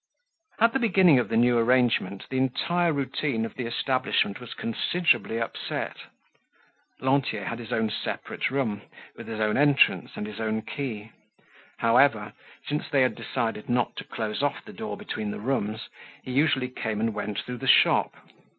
At the beginning of the new arrangement, the entire routine of the establishment was considerably upset. Lantier had his own separate room, with his own entrance and his own key. However, since they had decided not to close off the door between the rooms, he usually came and went through the shop.